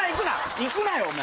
いくなよ、お前。